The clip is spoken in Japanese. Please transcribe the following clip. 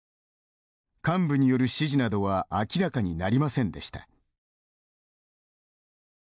幹部による指示などは明らかになりませんでした。